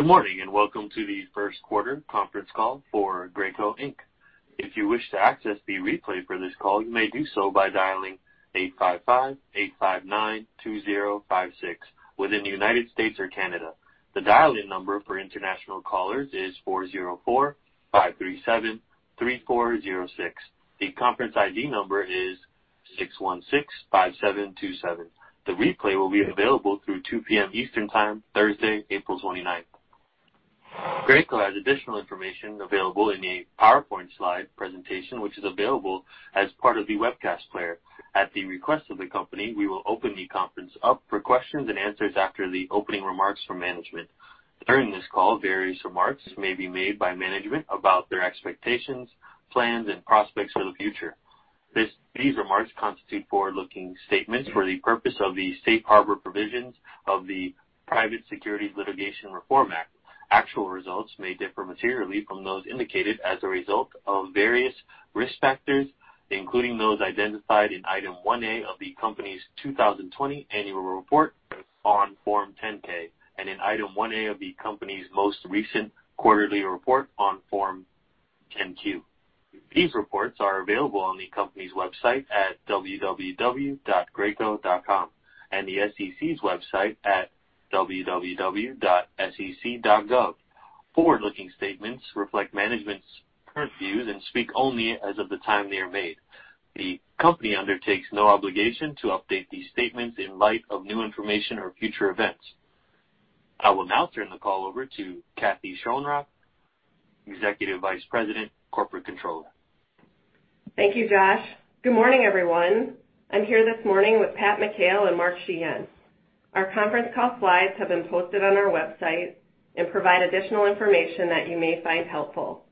Good morning and welcome to the first quarter conference call for Graco Inc. If you wish to access the replay for this call, you may do so by dialing 855-859-2056 within the United States or Canada. The dialing number for international callers is 404-537-3406. The conference ID number is 616-5727. The replay will be available through 2:00 P.M. Eastern Time, Thursday, April 29th. Graco has additional information available in a PowerPoint slide presentation, which is available as part of the webcast player. At the request of the company, we will open the conference up for questions and answers after the opening remarks from management. During this call, various remarks may be made by management about their expectations, plans, and prospects for the future. These remarks constitute forward-looking statements for the purpose of the safe harbor provisions of the Private Securities Litigation Reform Act. Actual results may differ materially from those indicated as a result of various risk factors, including those identified in Item 1A of the company's 2020 annual report on Form 10-K and in Item 1A of the company's most recent quarterly report on Form 10-Q. These reports are available on the company's website at www.graco.com and the SEC's website at www.sec.gov. Forward-looking statements reflect management's current views and speak only as of the time they are made. The company undertakes no obligation to update these statements in light of new information or future events. I will now turn the call over to Kathy Schoenrock, EVP, Corporate Controller. Thank you, Josh. Good morning, everyone. I'm here this morning with Pat McHale and Mark Sheahan. Our conference call slides have been posted on our website and provide additional information that you may find helpful.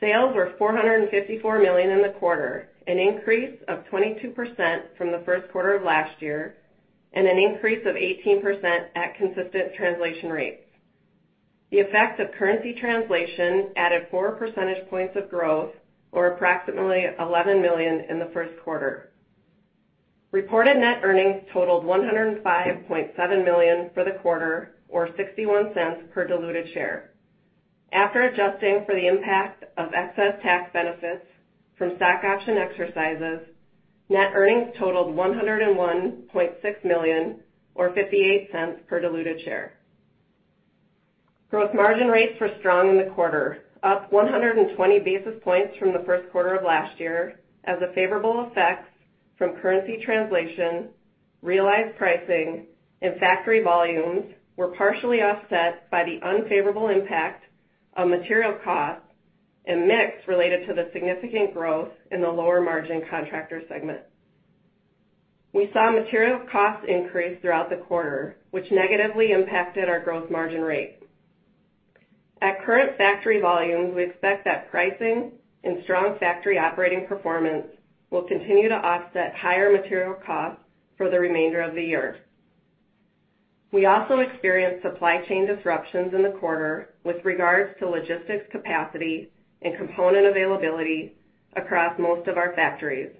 Sales were $454 million in the quarter, an increase of 22% from the first quarter of last year and an increase of 18% at consistent translation rates. The effect of currency translation added four percentage points of growth, or approximately $11 million in the first quarter. Reported net earnings totaled $105.7 million for the quarter, or $0.61 per diluted share. After adjusting for the impact of excess tax benefits from stock option exercises, net earnings totaled $101.6 million, or $0.58 per diluted share. Gross margin rates were strong in the quarter, up 120 basis points from the first quarter of last year as the favorable effects from currency translation, realized pricing, and factory volumes were partially offset by the unfavorable impact of material costs and mix related to the significant growth in the lower margin Contractor segment. We saw material costs increase throughout the quarter, which negatively impacted our gross margin rate. At current factory volumes, we expect that pricing and strong factory operating performance will continue to offset higher material costs for the remainder of the year. We also experienced supply chain disruptions in the quarter with regards to logistics capacity and component availability across most of our factories.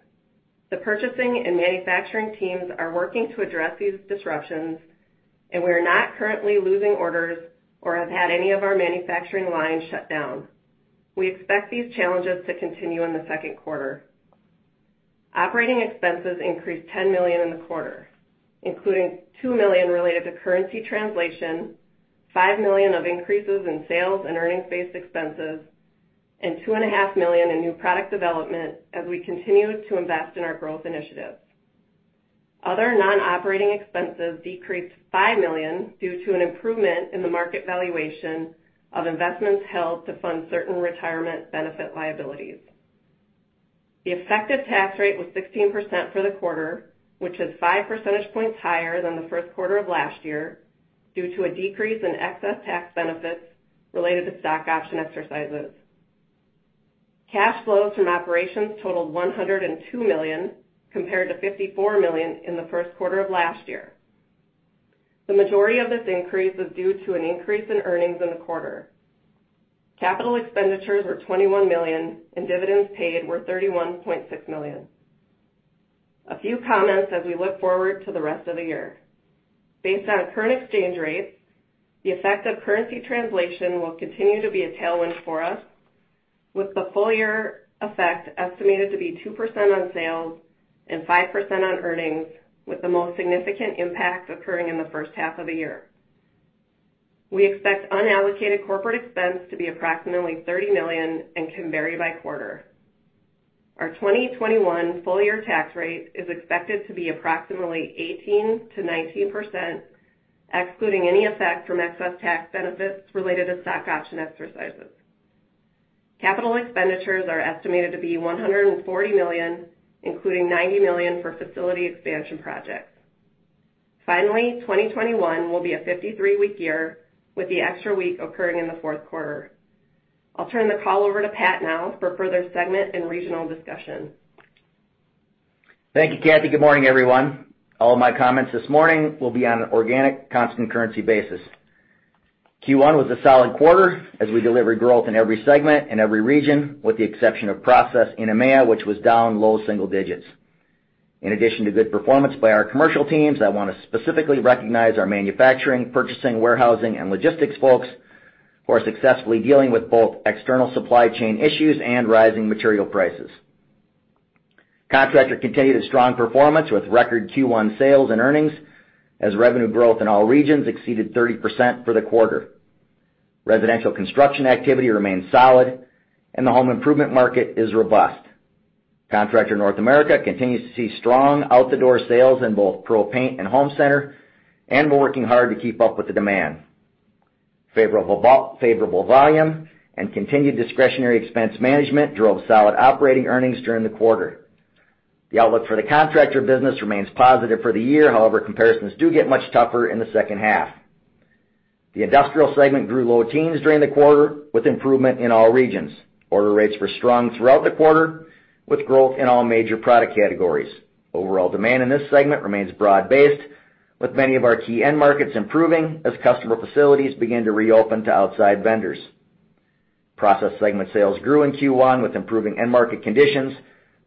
The purchasing and manufacturing teams are working to address these disruptions, and we are not currently losing orders or have had any of our manufacturing lines shut down. We expect these challenges to continue in the second quarter. Operating expenses increased $10 million in the quarter, including $2 million related to currency translation, $5 million of increases in sales and earnings-based expenses, and $2.5 million in new product development as we continue to invest in our growth initiatives. Other non-operating expenses decreased $5 million due to an improvement in the market valuation of investments held to fund certain retirement benefit liabilities. The effective tax rate was 16% for the quarter, which is five percentage points higher than the first quarter of last year due to a decrease in excess tax benefits related to stock option exercises. Cash flows from operations totaled $102 million compared to $54 million in the first quarter of last year. The majority of this increase is due to an increase in earnings in the quarter. Capital expenditures were $21 million, and dividends paid were $31.6 million. A few comments as we look forward to the rest of the year. Based on current exchange rates, the effect of currency translation will continue to be a tailwind for us, with the full year effect estimated to be 2% on sales and 5% on earnings, with the most significant impact occurring in the first half of the year. We expect unallocated corporate expense to be approximately $30 million and can vary by quarter. Our 2021 full year tax rate is expected to be approximately 18%-19%, excluding any effect from excess tax benefits related to stock option exercises. Capital expenditures are estimated to be $140 million, including $90 million for facility expansion projects. Finally, 2021 will be a 53-week year with the extra week occurring in the fourth quarter. I'll turn the call over to Pat now for further segment and regional discussion. Thank you, Kathy. Good morning, everyone. All of my comments this morning will be on an organic constant currency basis. Q1 was a solid quarter as we delivered growth in every segment and every region, with the exception of process in EMEA, which was down low single digits. In addition to good performance by our commercial teams, I want to specifically recognize our manufacturing, purchasing, warehousing, and logistics folks for successfully dealing with both external supply chain issues and rising material prices. Contractor continued a strong performance with record Q1 sales and earnings as revenue growth in all regions exceeded 30% for the quarter. Residential construction activity remains solid, and the home improvement market is robust. Contractor North America continues to see strong out-the-door sales in both Pro Paint and Home Center and working hard to keep up with the demand. Favorable volume and continued discretionary expense management drove solid operating earnings during the quarter. The outlook for the Contractor business remains positive for the year. However, comparisons do get much tougher in the second half. The Industrial segment grew low teens during the quarter with improvement in all regions. Order rates were strong throughout the quarter with growth in all major product categories. Overall demand in this segment remains broad-based, with many of our key end markets improving as customer facilities begin to reopen to outside vendors. Process segment sales grew in Q1 with improving end market conditions,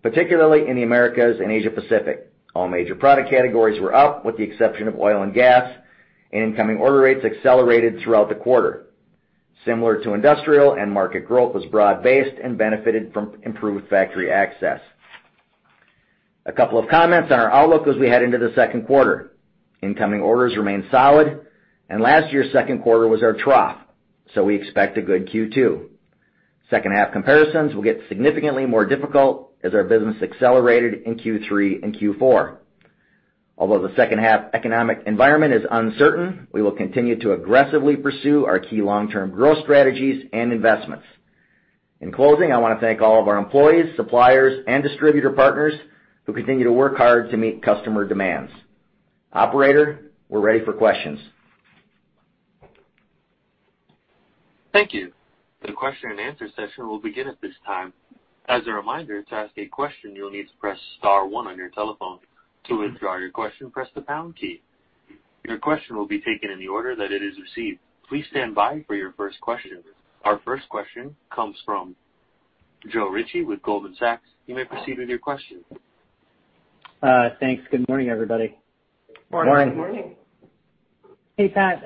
particularly in the Americas and Asia-Pacific. All major product categories were up with the exception of oil and gas, and incoming order rates accelerated throughout the quarter. Similar to Industrial, end market growth was broad-based and benefited from improved factory access. A couple of comments on our outlook as we head into the second quarter. Incoming orders remain solid, and last year's second quarter was our trough, so we expect a good Q2. Second half comparisons will get significantly more difficult as our business accelerated in Q3 and Q4. Although the second half economic environment is uncertain, we will continue to aggressively pursue our key long-term growth strategies and investments. In closing, I want to thank all of our employees, suppliers, and distributor partners who continue to work hard to meet customer demands. Operator, we're ready for questions. Thank you. The question and answer session will begin at this time. As a reminder, to ask a question, you'll need to press star one on your telephone. To withdraw your question, press the pound key. Your question will be taken in the order that it is received. Please stand by for your first question. Our first question comes from Joe Ritchie with Goldman Sachs. You may proceed with your question. Thanks. Good morning, everybody. Morning. Morning. Hey, Pat.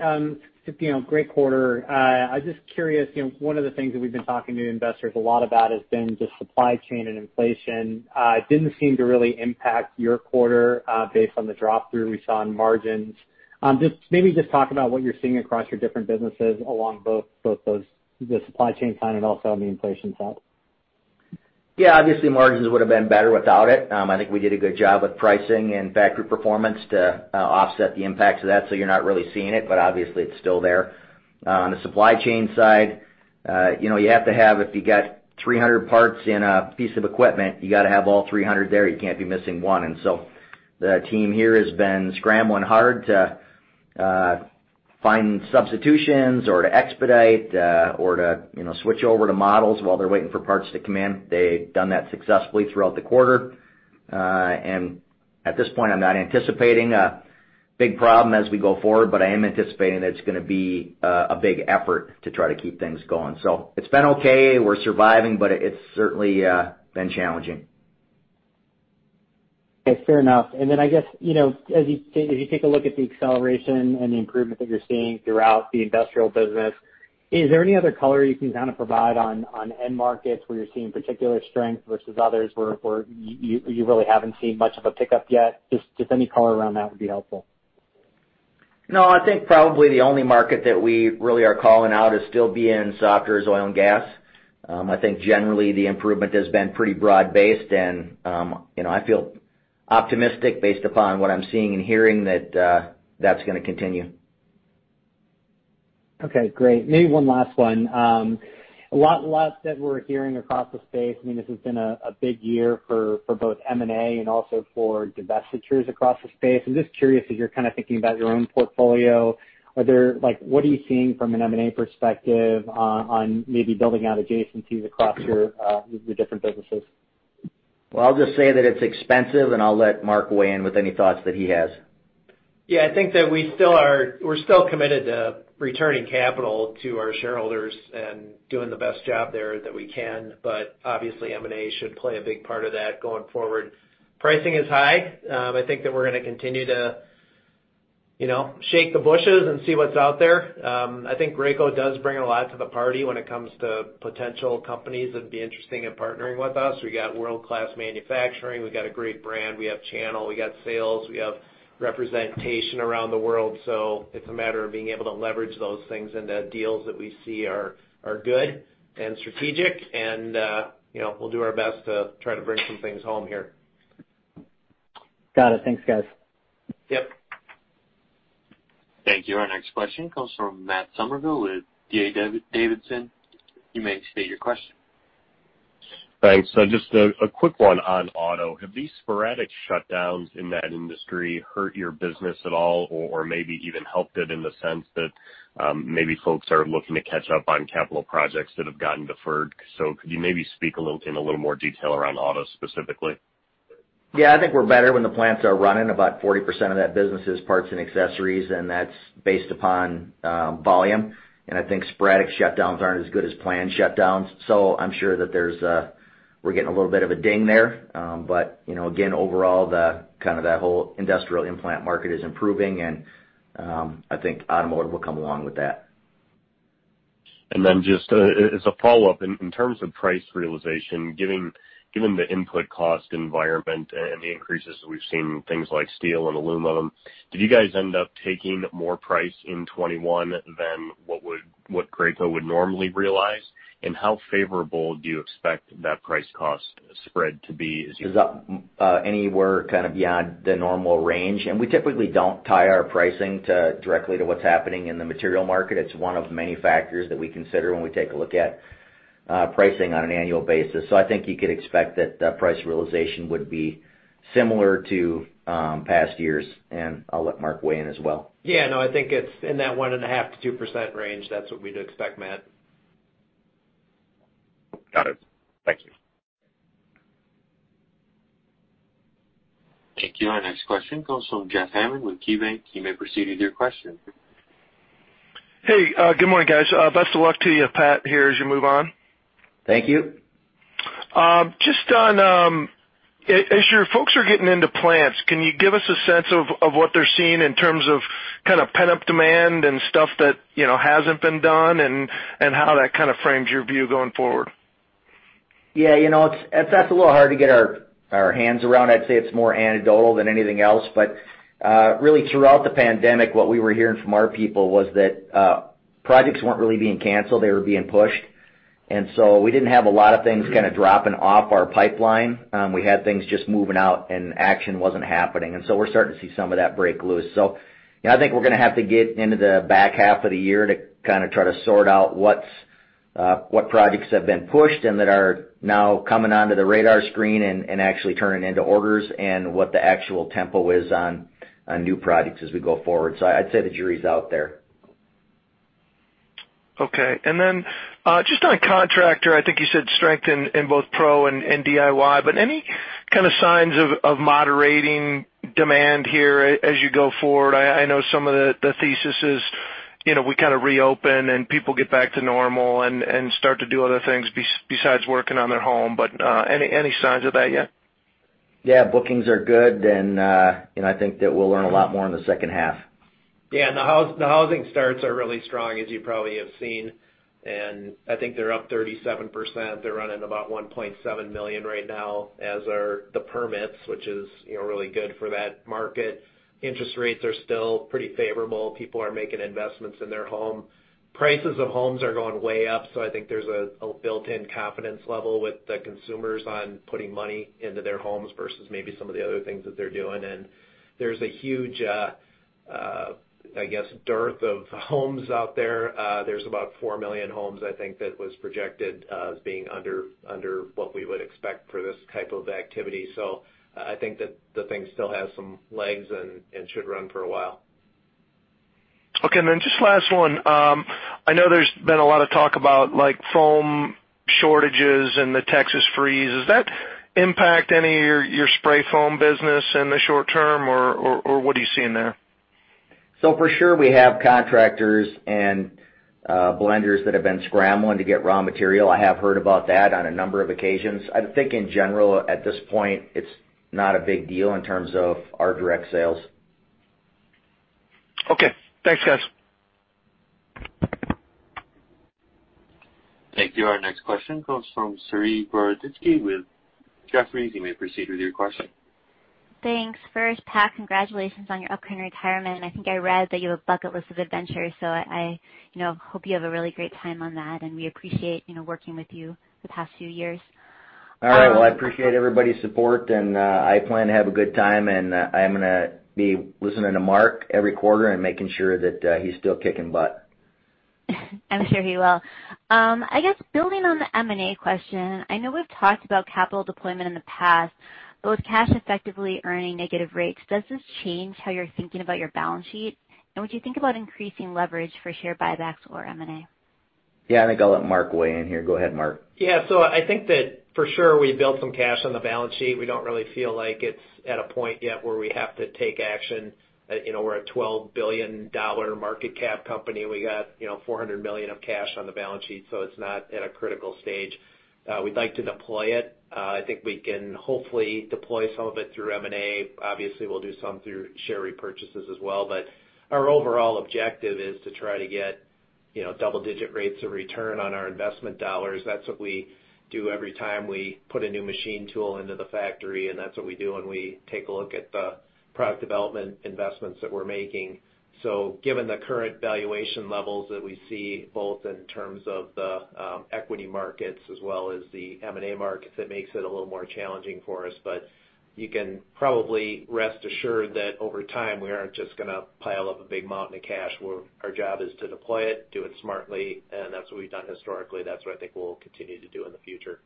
Great quarter. I was just curious, one of the things that we've been talking to investors a lot about has been the supply chain and inflation. It didn't seem to really impact your quarter based on the drop through we saw in margins. Maybe just talk about what you're seeing across your different businesses along both the supply chain side and also on the inflation side. Yeah, obviously, margins would have been better without it. I think we did a good job with pricing and factory performance to offset the impacts of that, so you're not really seeing it, but obviously, it's still there. On the supply chain side, you have to have if you got 300 parts in a piece of equipment, you got to have all 300 there. You can't be missing one. And so the team here has been scrambling hard to find substitutions or to expedite or to switch over to models while they're waiting for parts to come in. They've done that successfully throughout the quarter. And at this point, I'm not anticipating a big problem as we go forward, but I am anticipating that it's going to be a big effort to try to keep things going. So it's been okay. We're surviving, but it's certainly been challenging. Fair enough, and then I guess, as you take a look at the acceleration and the improvement that you're seeing throughout the industrial business, is there any other color you can kind of provide on end markets where you're seeing particular strength versus others where you really haven't seen much of a pickup yet? Just any color around that would be helpful. No, I think probably the only market that we really are calling out is still being soft in oil and gas. I think generally the improvement has been pretty broad-based, and I feel optimistic based upon what I'm seeing and hearing that that's going to continue. Okay, great. Maybe one last one. A lot that we're hearing across the space, I mean, this has been a big year for both M&A and also for divestitures across the space. I'm just curious, as you're kind of thinking about your own portfolio, what are you seeing from an M&A perspective on maybe building out adjacencies across your different businesses? I'll just say that it's expensive, and I'll let Mark weigh in with any thoughts that he has. Yeah, I think that we're still committed to returning capital to our shareholders and doing the best job there that we can, but obviously, M&A should play a big part of that going forward. Pricing is high. I think that we're going to continue to shake the bushes and see what's out there. I think Graco does bring a lot to the party when it comes to potential companies that would be interesting in partnering with us. We got world-class manufacturing. We got a great brand. We have channel. We got sales. We have representation around the world. So it's a matter of being able to leverage those things into deals that we see are good and strategic, and we'll do our best to try to bring some things home here. Got it. Thanks, guys. Yep. Thank you. Our next question comes from Matt Summerville with D.A. Davidson. You may state your question. Thanks. So just a quick one on auto. Have these sporadic shutdowns in that industry hurt your business at all or maybe even helped it in the sense that maybe folks are looking to catch up on capital projects that have gotten deferred? So could you maybe speak in a little more detail around auto specifically? Yeah, I think we're better when the plants are running. About 40% of that business is parts and accessories, and that's based upon volume, and I think sporadic shutdowns aren't as good as planned shutdowns, so I'm sure that we're getting a little bit of a ding there, but again, overall, kind of that whole industrial in-plant market is improving, and I think automotive will come along with that. And then just as a follow-up, in terms of price realization, given the input cost environment and the increases that we've seen in things like steel and aluminum, did you guys end up taking more price in 2021 than what Graco would normally realize? And how favorable do you expect that price cost spread to be as. Is up anywhere kind of beyond the normal range. And we typically don't tie our pricing directly to what's happening in the material market. It's one of many factors that we consider when we take a look at pricing on an annual basis. So I think you could expect that that price realization would be similar to past years. And I'll let Mark weigh in as well. Yeah, no, I think it's in that 1.5%-2% range. That's what we'd expect, Matt. Got it. Thank you. Thank you. Our next question comes from Jeff Hammond with KeyBanc. You may proceed with your question. Hey, good morning, guys. Best of luck to you, Pat, here as you move on. Thank you. Just on as your folks are getting into plants, can you give us a sense of what they're seeing in terms of kind of pent-up demand and stuff that hasn't been done and how that kind of frames your view going forward? Yeah, that's a little hard to get our hands around. I'd say it's more anecdotal than anything else. But really, throughout the pandemic, what we were hearing from our people was that projects weren't really being canceled. They were being pushed. And so we didn't have a lot of things kind of dropping off our pipeline. We had things just moving out, and action wasn't happening. And so we're starting to see some of that break loose. So I think we're going to have to get into the back half of the year to kind of try to sort out what projects have been pushed and that are now coming onto the radar screen and actually turning into orders and what the actual tempo is on new projects as we go forward. So I'd say the jury's out there. Okay. And then just on contractor, I think you said strength in both Pro and DIY, but any kind of signs of moderating demand here as you go forward? I know some of the thesis is we kind of reopen and people get back to normal and start to do other things besides working on their home. But any signs of that yet? Yeah, bookings are good, and I think that we'll learn a lot more in the second half. Yeah, and the housing starts are really strong, as you probably have seen. And I think they're up 37%. They're running about 1.7 million right now as are the permits, which is really good for that market. Interest rates are still pretty favorable. People are making investments in their home. Prices of homes are going way up, so I think there's a built-in confidence level with the consumers on putting money into their homes versus maybe some of the other things that they're doing. And there's a huge, I guess, dearth of homes out there. There's about four million homes, I think, that was projected as being under what we would expect for this type of activity. So I think that the thing still has some legs and should run for a while. Okay, and then just last one. I know there's been a lot of talk about foam shortages and the Texas freeze. Does that impact any of your spray foam business in the short term, or what are you seeing there? So for sure, we have contractors and blenders that have been scrambling to get raw material. I have heard about that on a number of occasions. I think in general, at this point, it's not a big deal in terms of our direct sales. Okay. Thanks, guys. Thank you. Our next question comes from Saree Boroditsky with Jefferies. You may proceed with your question. Thanks. First, Pat, congratulations on your upcoming retirement. I think I read that you have a bucket list of adventures, so I hope you have a really great time on that, and we appreciate working with you the past few years. All right, well, I appreciate everybody's support, and I plan to have a good time, and I'm going to be listening to Mark every quarter and making sure that he's still kicking butt. I'm sure he will. I guess building on the M&A question, I know we've talked about capital deployment in the past, but with cash effectively earning negative rates, does this change how you're thinking about your balance sheet, and would you think about increasing leverage for share buybacks or M&A? Yeah, I think I'll let Mark weigh in here. Go ahead, Mark. Yeah. So I think that for sure, we built some cash on the balance sheet. We don't really feel like it's at a point yet where we have to take action. We're a $12 billion market cap company. We got $400 million of cash on the balance sheet, so it's not at a critical stage. We'd like to deploy it. I think we can hopefully deploy some of it through M&A. Obviously, we'll do some through share repurchases as well. But our overall objective is to try to get double-digit rates of return on our investment dollars. That's what we do every time we put a new machine tool into the factory, and that's what we do when we take a look at the product development investments that we're making. So given the current valuation levels that we see, both in terms of the equity markets as well as the M&A markets, that makes it a little more challenging for us. But you can probably rest assured that over time, we aren't just going to pile up a big mountain of cash. Our job is to deploy it, do it smartly, and that's what we've done historically. That's what I think we'll continue to do in the future.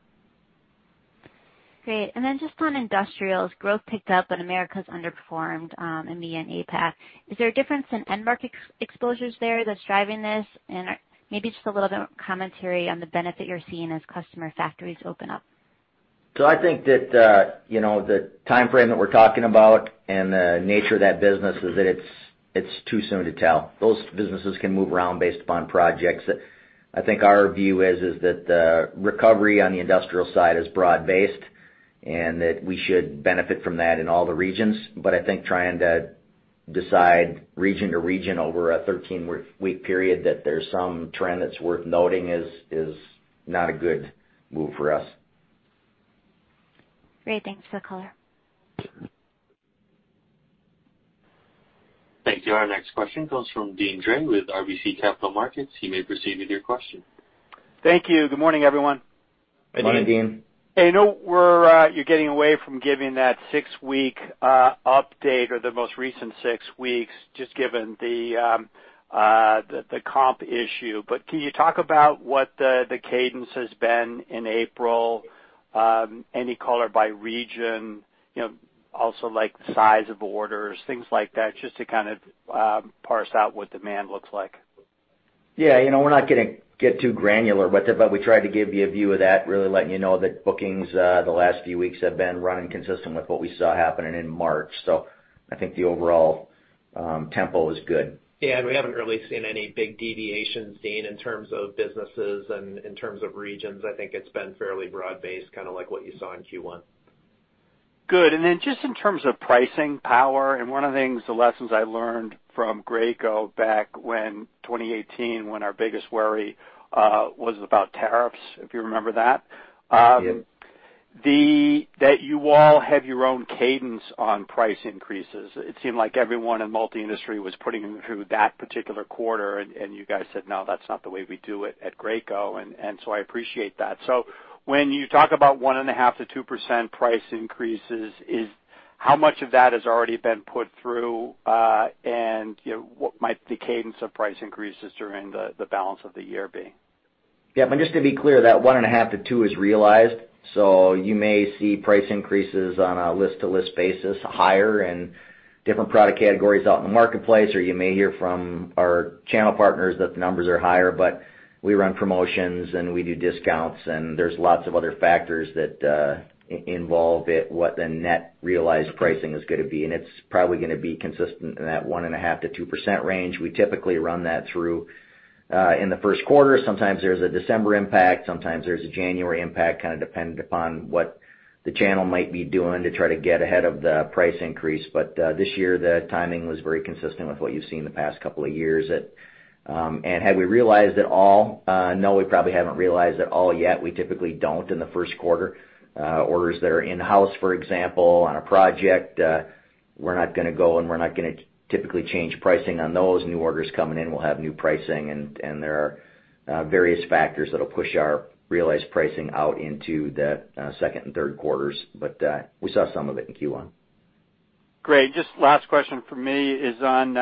Great, and then just on industrials, growth picked up, but Americas underperformed in the EMEA path. Is there a difference in end market exposures there that's driving this, and maybe just a little bit of commentary on the benefit you're seeing as customer factories open up. So I think that the time frame that we're talking about and the nature of that business is that it's too soon to tell. Those businesses can move around based upon projects. I think our view is that the recovery on the industrial side is broad-based and that we should benefit from that in all the regions. But I think trying to decide region to region over a 13-week period that there's some trend that's worth noting is not a good move for us. Great. Thanks for the caller. Thank you. Our next question comes from Deane Dray with RBC Capital Markets. You may proceed with your question. Thank you. Good morning, everyone. Good morning, Deane. Hey, you're getting away from giving that six-week update or the most recent six weeks just given the comp issue. But can you talk about what the cadence has been in April? Any color by region? Also, like the size of orders, things like that, just to kind of parse out what demand looks like. Yeah, we're not going to get too granular with it, but we tried to give you a view of that, really letting you know that bookings the last few weeks have been running consistent with what we saw happening in March. So I think the overall tempo is good. Yeah, and we haven't really seen any big deviations, Dean, in terms of businesses and in terms of regions. I think it's been fairly broad-based, kind of like what you saw in Q1. Good. And then just in terms of pricing power, and one of the things, the lessons I learned from Graco back when 2018, when our biggest worry was about tariffs, if you remember that, that you all have your own cadence on price increases. It seemed like everyone in multi-industry was putting them through that particular quarter, and you guys said, "No, that's not the way we do it at Graco." And so I appreciate that. So when you talk about 1.5%-2% price increases, how much of that has already been put through, and what might the cadence of price increases during the balance of the year be? Yeah, but just to be clear, that 1.5%-2% is realized. So you may see price increases on a list-to-list basis, higher in different product categories out in the marketplace, or you may hear from our channel partners that the numbers are higher. But we run promotions, and we do discounts, and there's lots of other factors that involve what the net realized pricing is going to be. And it's probably going to be consistent in that 1.5%-2% range. We typically run that through in the first quarter. Sometimes there's a December impact. Sometimes there's a January impact, kind of dependent upon what the channel might be doing to try to get ahead of the price increase. But this year, the timing was very consistent with what you've seen the past couple of years. And have we realized it all? No, we probably haven't realized it all yet. We typically don't in the first quarter. Orders that are in-house, for example, on a project, we're not going to go, and we're not going to typically change pricing on those. New orders coming in, we'll have new pricing, and there are various factors that'll push our realized pricing out into the second and third quarters. But we saw some of it in Q1. Great. Just last question for me is on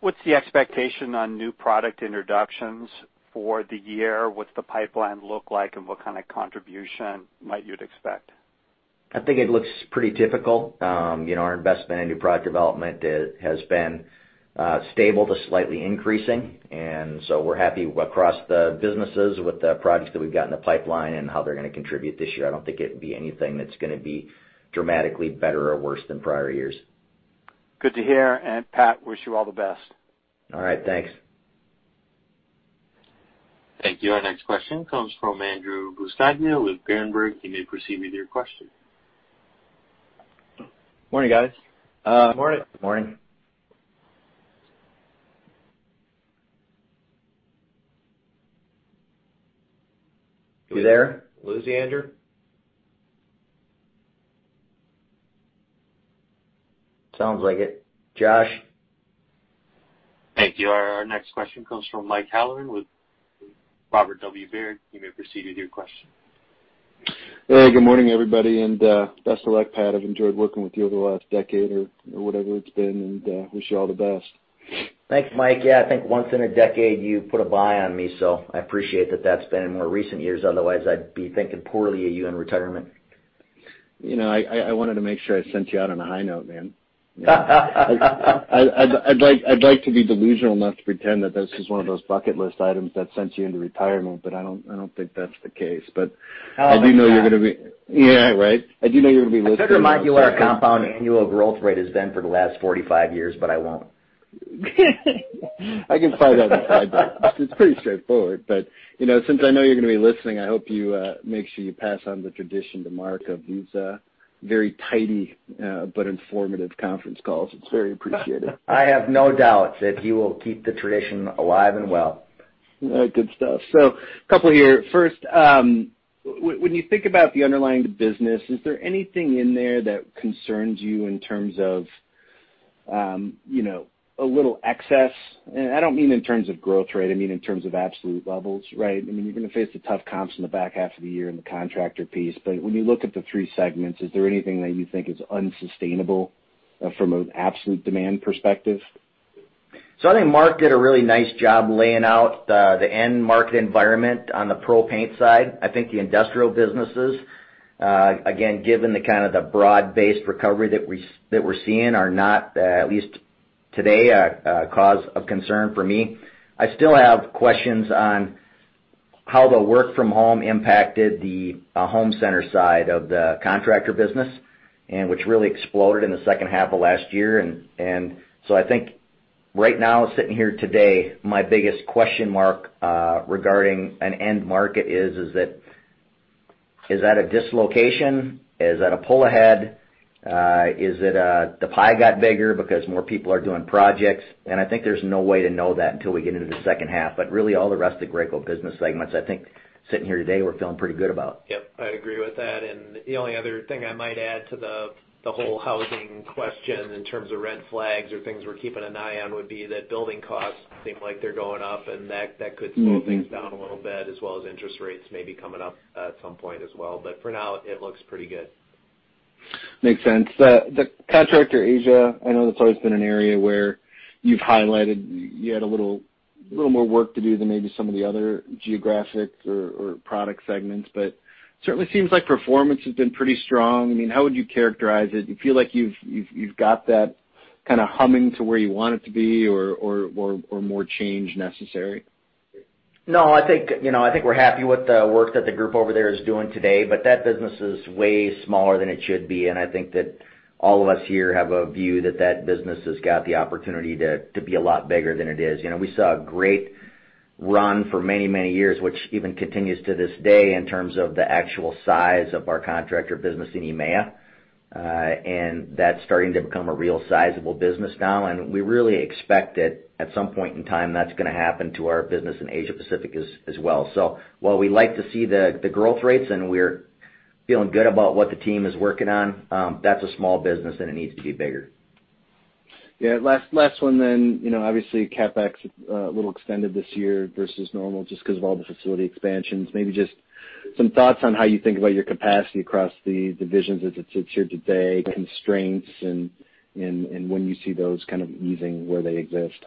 what's the expectation on new product introductions for the year? What's the pipeline look like, and what kind of contribution might you expect? I think it looks pretty typical. Our investment in new product development has been stable to slightly increasing. And so we're happy across the businesses with the projects that we've got in the pipeline and how they're going to contribute this year. I don't think it'd be anything that's going to be dramatically better or worse than prior years. Good to hear. And Pat, wish you all the best. All right. Thanks. Thank you. Our next question comes from Andrew Buscaglia with Berenberg. You may proceed with your question. Morning, guys. Morning. Morning. You there? Lost you, Andrew. Sounds like it. Josh. Thank you. Our next question comes from Mike Halloran with Robert W. Baird. You may proceed with your question. Hey, good morning, everybody, and best of luck, Pat. I've enjoyed working with you over the last decade or whatever it's been, and wish you all the best. Thanks, Mike. Yeah, I think once in a decade, you put a buy on me. So I appreciate that that's been in more recent years. Otherwise, I'd be thinking poorly of you in retirement. I wanted to make sure I sent you out on a high note, man. I'd like to be delusional enough to pretend that this is one of those bucket list items that sent you into retirement, but I don't think that's the case. But I do know you're going to be. How long? Yeah, right? I do know you're going to be listed in retirement. Does it remind you what our compound annual growth rate has been for the last 45 years? But I won't. I can set that aside. It's pretty straightforward, but since I know you're going to be listening, I hope you make sure you pass on the tradition to Mark of these very tidy but informative conference calls. It's very appreciated. I have no doubt that you will keep the tradition alive and well. Good stuff. So a couple here. First, when you think about the underlying business, is there anything in there that concerns you in terms of a little excess? And I don't mean in terms of growth rate. I mean in terms of absolute levels, right? I mean, you're going to face the tough comps in the back half of the year and the contractor piece. But when you look at the three segments, is there anything that you think is unsustainable from an absolute demand perspective? So I think Mark did a really nice job laying out the end market environment on the Pro Paint side. I think the industrial businesses, again, given the kind of the broad-based recovery that we're seeing, are not, at least today, a cause of concern for me. I still have questions on how the work-from-home impacted the Home Center side of the contractor business, which really exploded in the second half of last year. And so I think right now, sitting here today, my biggest question mark regarding an end market is, is that a dislocation? Is that a pull ahead? Is it the pie got bigger because more people are doing projects? And I think there's no way to know that until we get into the second half. But really, all the rest of the Graco business segments, I think sitting here today, we're feeling pretty good about. Yep. I agree with that, and the only other thing I might add to the whole housing question in terms of red flags or things we're keeping an eye on would be that building costs seem like they're going up, and that could slow things down a little bit, as well as interest rates maybe coming up at some point as well, but for now, it looks pretty good. Makes sense. The Contractor Asia, I know that's always been an area where you've highlighted you had a little more work to do than maybe some of the other geographic or product segments. But it certainly seems like performance has been pretty strong. I mean, how would you characterize it? Do you feel like you've got that kind of humming to where you want it to be or more change necessary? No, I think we're happy with the work that the group over there is doing today. But that business is way smaller than it should be. And I think that all of us here have a view that that business has got the opportunity to be a lot bigger than it is. We saw a great run for many, many years, which even continues to this day in terms of the actual size of our contractor business in EMEA. And that's starting to become a real sizable business now. And we really expect that at some point in time, that's going to happen to our business in Asia-Pacific as well. So while we like to see the growth rates and we're feeling good about what the team is working on, that's a small business, and it needs to be bigger. Yeah. Last one then, obviously, CapEx a little extended this year versus normal just because of all the facility expansions. Maybe just some thoughts on how you think about your capacity across the divisions as it sits here today, constraints, and when you see those kind of easing where they exist?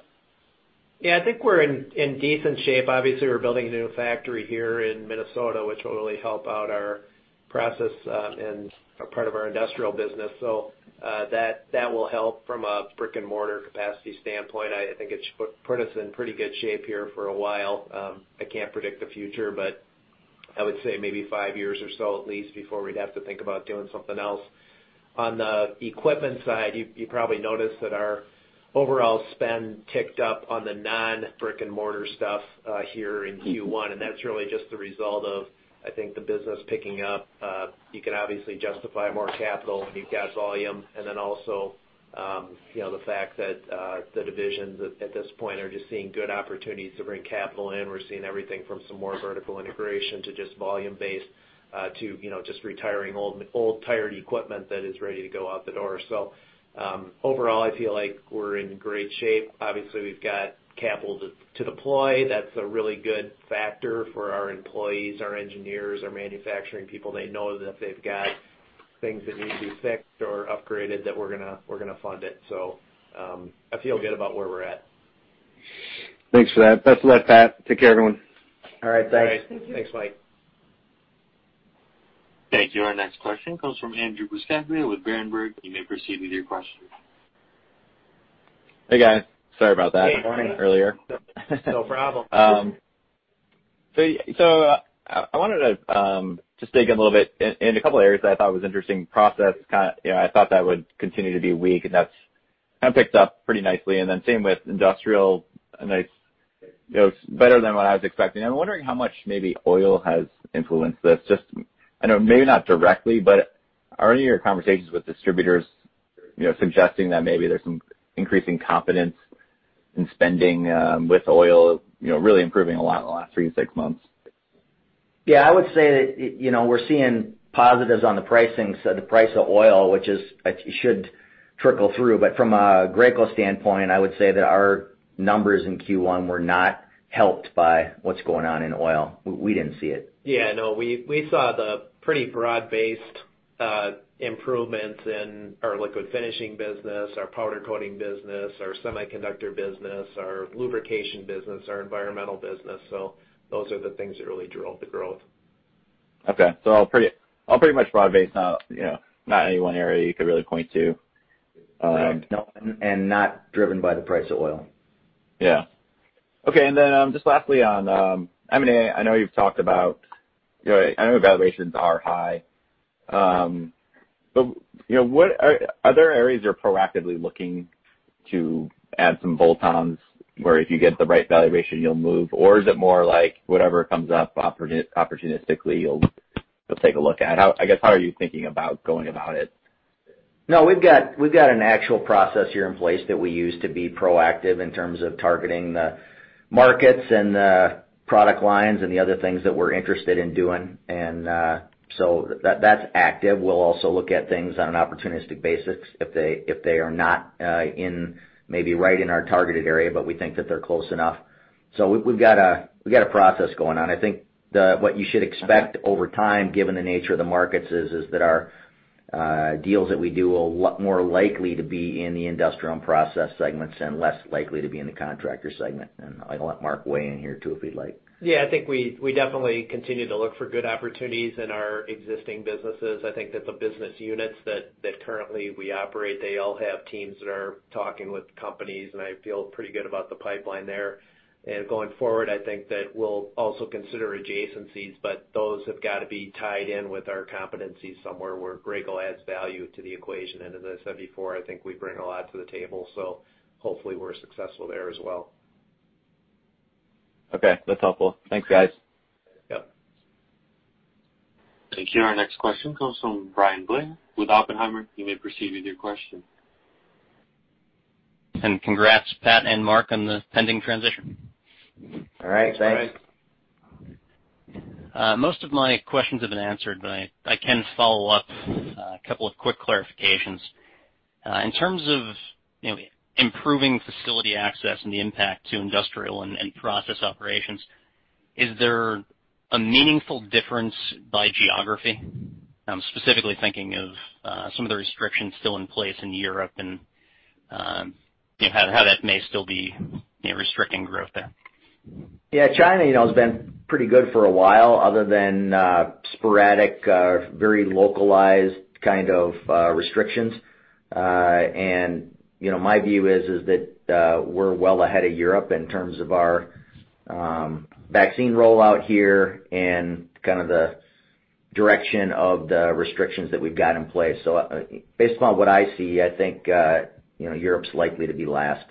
Yeah, I think we're in decent shape. Obviously, we're building a new factory here in Minnesota, which will really help out our process and part of our industrial business. So that will help from a brick-and-mortar capacity standpoint. I think it should put us in pretty good shape here for a while. I can't predict the future, but I would say maybe five years or so at least before we'd have to think about doing something else. On the equipment side, you probably noticed that our overall spend ticked up on the non-brick-and-mortar stuff here in Q1. And that's really just the result of, I think, the business picking up. You can obviously justify more capital when you've got volume. And then also the fact that the divisions at this point are just seeing good opportunities to bring capital in. We're seeing everything from some more vertical integration to just volume-based to just retiring old, tired equipment that is ready to go out the door. So overall, I feel like we're in great shape. Obviously, we've got capital to deploy. That's a really good factor for our employees, our engineers, our manufacturing people. They know that if they've got things that need to be fixed or upgraded, that we're going to fund it. So I feel good about where we're at. Thanks for that. Best of luck, Pat. Take care, everyone. All right. Thanks. Thank you. Thanks, Mike. Thank you. Our next question comes from Andrew Buscaglia with Berenberg. You may proceed with your question. Hey, guys. Sorry about that. Good morning. Earlier. No problem. So I wanted to just dig in a little bit in a couple of areas that I thought were interesting. Process, I thought that would continue to be weak, and that's kind of picked up pretty nicely. And then same with Industrial, better than what I was expecting. I'm wondering how much maybe oil has influenced this. I know maybe not directly, but are any of your conversations with distributors suggesting that maybe there's some increasing confidence in spending with oil, really improving a lot in the last three to six months? Yeah, I would say that we're seeing positives on the pricing of the price of oil, which should trickle through. But from a Graco standpoint, I would say that our numbers in Q1 were not helped by what's going on in oil. We didn't see it. Yeah, no. We saw the pretty broad-based improvements in our liquid finishing business, our powder coating business, our semiconductor business, our lubrication business, our environmental business, so those are the things that really drove the growth. Okay. So pretty much broad-based, not any one area you could really point to. Not driven by the price of oil. Yeah. Okay. And then just lastly on M&A, I know you've talked about, I know, valuations are high. But are there areas you're proactively looking to add some bolt-ons where if you get the right valuation, you'll move? Or is it more like whatever comes up opportunistically, you'll take a look at? I guess, how are you thinking about going about it? No, we've got an actual process here in place that we use to be proactive in terms of targeting the markets and the product lines and the other things that we're interested in doing. And so that's active. We'll also look at things on an opportunistic basis if they are not maybe right in our targeted area, but we think that they're close enough. So we've got a process going on. I think what you should expect over time, given the nature of the markets, is that our deals that we do will be more likely to be in the Industrial and Process segments and less likely to be in the Contractor segment. And I'll let Mark weigh in here too if he'd like. Yeah. I think we definitely continue to look for good opportunities in our existing businesses. I think that the business units that currently we operate, they all have teams that are talking with companies. And I feel pretty good about the pipeline there. And going forward, I think that we'll also consider adjacencies. But those have got to be tied in with our competencies somewhere where Graco adds value to the equation. And as I said before, I think we bring a lot to the table. So hopefully, we're successful there as well. Okay. That's helpful. Thanks, guys. Thank you. Our next question comes from Bryan Blair with Oppenheimer. You may proceed with your question. Congrats, Pat and Mark, on the pending transition. All right. Thanks. Most of my questions have been answered, but I can follow up a couple of quick clarifications. In terms of improving facility access and the impact to industrial and process operations, is there a meaningful difference by geography? I'm specifically thinking of some of the restrictions still in place in Europe and how that may still be restricting growth there. Yeah. China has been pretty good for a while other than sporadic, very localized kind of restrictions. And my view is that we're well ahead of Europe in terms of our vaccine rollout here and kind of the direction of the restrictions that we've got in place. So based upon what I see, I think Europe's likely to be last.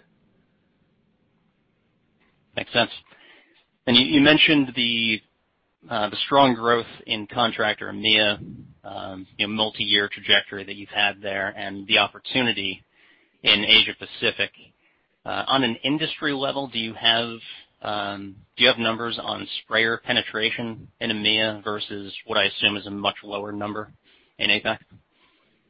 Makes sense, and you mentioned the strong growth in contractor EMEA, multi-year trajectory that you've had there, and the opportunity in Asia-Pacific. On an industry level, do you have numbers on sprayer penetration in EMEA versus what I assume is a much lower number in APAC?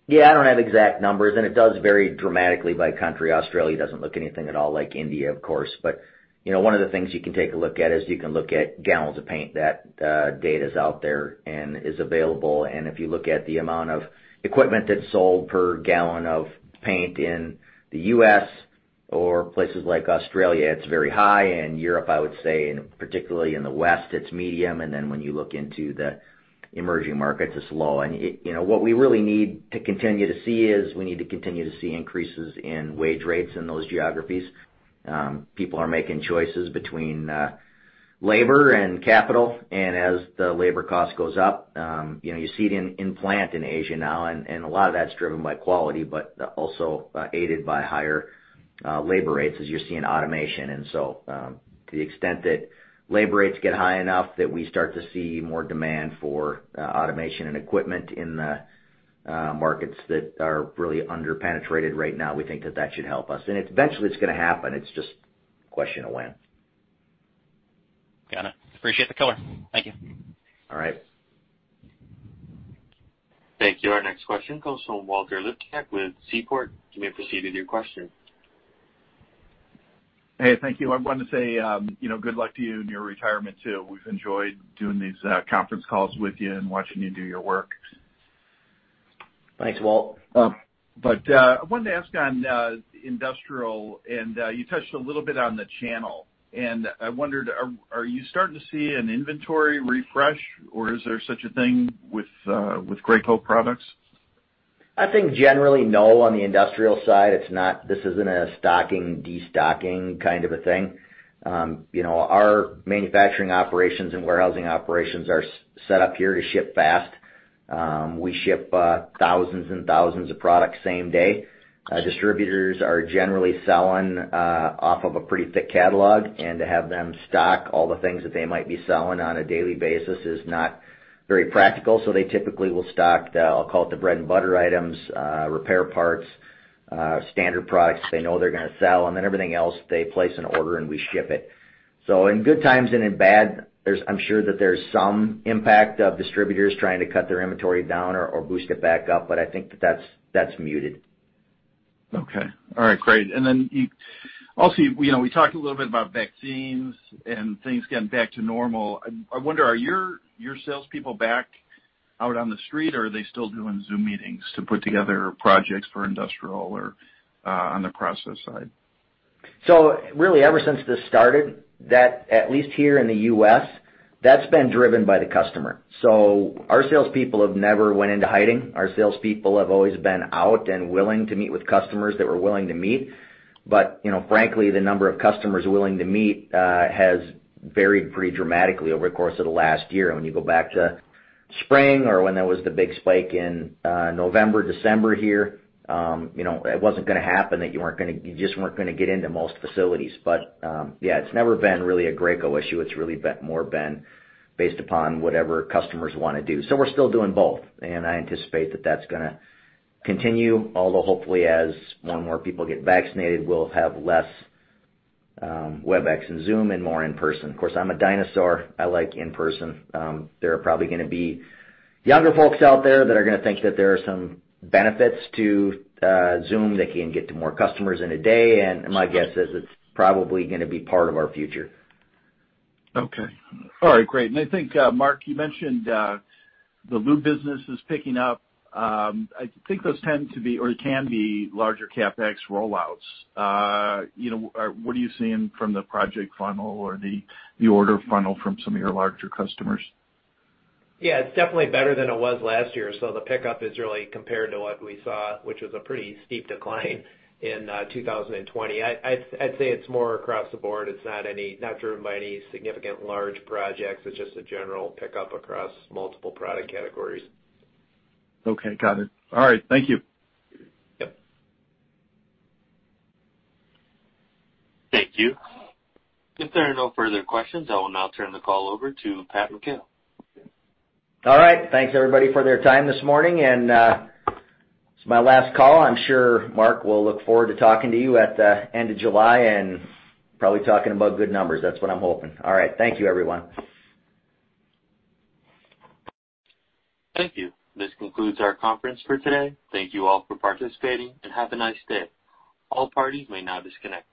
Yeah. I don't have exact numbers. And it does vary dramatically by country. Australia doesn't look anything at all like India, of course. But one of the things you can take a look at is you can look at gallons of paint. That data is out there and is available. And if you look at the amount of equipment that's sold per gallon of paint in the U.S. or places like Australia, it's very high. In Europe, I would say, and particularly in the West, it's medium. And then when you look into the emerging markets, it's low. And what we really need to continue to see is we need to continue to see increases in wage rates in those geographies. People are making choices between labor and capital. And as the labor cost goes up, you see it in plants in Asia now. And a lot of that's driven by quality, but also aided by higher labor rates as you're seeing automation. And so to the extent that labor rates get high enough that we start to see more demand for automation and equipment in the markets that are really underpenetrated right now, we think that that should help us. And eventually, it's going to happen. It's just a question of when. Got it. Appreciate the color. Thank you. All right. Thank you. Our next question comes from Walter Liptak with Seaport. You may proceed with your question. Hey, thank you. I wanted to say good luck to you in your retirement too. We've enjoyed doing these conference calls with you and watching you do your work. Thanks, Walt. But I wanted to ask on Industrial. And you touched a little bit on the channel. And I wondered, are you starting to see an inventory refresh, or is there such a thing with Graco products? I think generally, no, on the industrial side. This isn't a stocking-de-stocking kind of a thing. Our manufacturing operations and warehousing operations are set up here to ship fast. We ship thousands and thousands of products same day. Distributors are generally selling off of a pretty thick catalog. And to have them stock all the things that they might be selling on a daily basis is not very practical. So they typically will stock the, I'll call it the bread and butter items, repair parts, standard products that they know they're going to sell. And then everything else, they place an order and we ship it. So in good times and in bad, I'm sure that there's some impact of distributors trying to cut their inventory down or boost it back up. But I think that that's muted. Okay. All right. Great. And then also, we talked a little bit about vaccines and things getting back to normal. I wonder, are your salespeople back out on the street, or are they still doing Zoom meetings to put together projects for industrial or on the process side? So really, ever since this started, at least here in the U.S., that's been driven by the customer. Our salespeople have never went into hiding. Our salespeople have always been out and willing to meet with customers that were willing to meet. But frankly, the number of customers willing to meet has varied pretty dramatically over the course of the last year. When you go back to spring or when there was the big spike in November, December here, it wasn't going to happen. You just weren't going to get into most facilities. Yeah, it's never been really a Graco issue. It's really more been based upon whatever customers want to do. We're still doing both. I anticipate that that's going to continue, although hopefully, as more and more people get vaccinated, we'll have less Webex and Zoom and more in person. Of course, I'm a dinosaur. I like in person. There are probably going to be younger folks out there that are going to think that there are some benefits to Zoom that can get to more customers in a day. My guess is it's probably going to be part of our future. Okay. All right. Great. And I think, Mark, you mentioned the lube business is picking up. I think those tend to be or can be larger CapEx rollouts. What are you seeing from the project funnel or the order funnel from some of your larger customers? Yeah. It's definitely better than it was last year. So the pickup is really compared to what we saw, which was a pretty steep decline in 2020. I'd say it's more across the board. It's not driven by any significant large projects. It's just a general pickup across multiple product categories. Okay. Got it. All right. Thank you. Thank you. If there are no further questions, I will now turn the call over to Pat and Kathy. All right. Thanks, everybody, for their time this morning, and it's my last call. I'm sure Mark will look forward to talking to you at the end of July and probably talking about good numbers. That's what I'm hoping. All right. Thank you, everyone. Thank you. This concludes our conference for today. Thank you all for participating, and have a nice day. All parties may now disconnect.